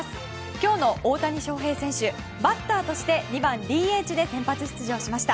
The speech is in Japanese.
今日の大谷翔平選手バッターとして２番ＤＨで先発出場しました。